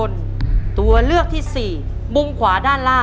คุณยายแจ้วเลือกตอบจังหวัดนครราชสีมานะครับ